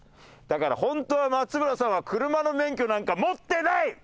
だから本当は松村さんは車の免許なんか持ってない。